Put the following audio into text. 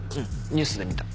ニュースで見た。